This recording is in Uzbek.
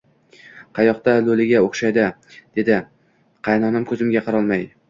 Qayoqda, lo`liga o`xshaydi, dedi qaynonam ko`zimga qarolmay